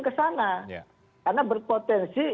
kesana karena berpotensi